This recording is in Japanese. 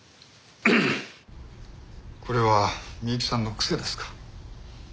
これは美雪さんの癖ですか？